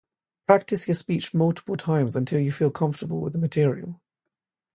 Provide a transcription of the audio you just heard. Practice your speech multiple times until you feel comfortable with the material.